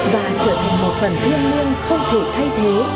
và trở thành một phần thiêng liêng không thể thay thế